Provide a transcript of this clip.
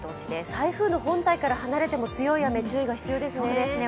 台風の本体から離れても強い雨、注意が必要ですね。